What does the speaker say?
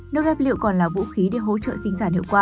nước ép lựu còn là vũ khí để hỗ trợ sinh sản hiệu quả